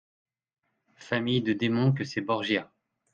Famille de démons que ces Borgia !